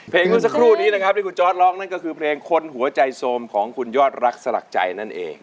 เมื่อสักครู่นี้นะครับที่คุณจอร์ดร้องนั่นก็คือเพลงคนหัวใจโทรมของคุณยอดรักสลักใจนั่นเอง